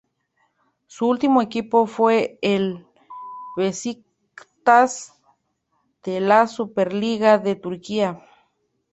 Su último equipo fue el Besiktas de la Superliga de Turquía.